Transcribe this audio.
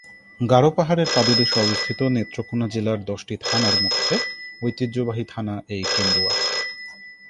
গারো পাহাড়ের পাদদেশে অবস্থিত নেত্রকোণা জেলার দশটি থানার মধ্যে ঐতিহ্যবাহী থানা এই কেন্দুয়া।